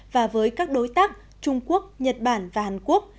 và với các đối tác trung quốc nhật bản và hàn quốc